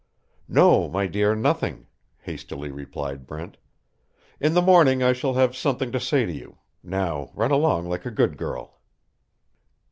"No, my dear, nothing," hastily replied Brent. "In the morning I shall have something to say to you. Now run along like a good girl."